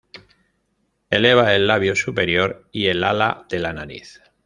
Eleva el labio superior y el ala de la nariz.